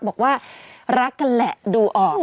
บอกว่ารักกันแหละดูออก